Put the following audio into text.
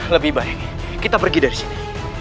lebih baik kita pergi dari sini